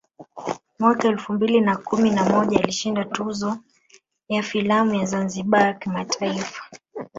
Mwaka elfu mbili na kumi na moja alishinda tuzo ya filamu ya ZanzibarI kimataifa